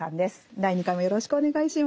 第２回もよろしくお願いします。